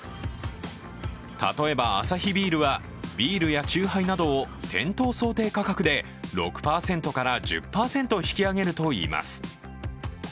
例えばアサヒビールはビールや酎ハイなどを店頭想定価格で６％から１０％引き上げるといいます。